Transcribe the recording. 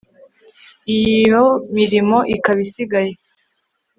iyo mirimo ikaba isigaye